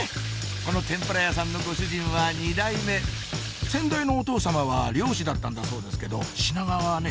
この天ぷら屋さんのご主人は２代目先代のお父さまは漁師だったんだそうですけど品川はね